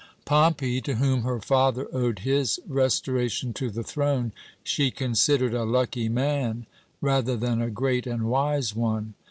"Pompey, to whom her father owed his restoration to the throne, she considered a lucky man, rather than a great and wise one.